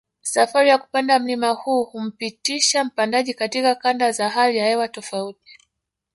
Safari ya kupanda mlima huu humpitisha mpandaji katika kanda za hali ya hewa tofauti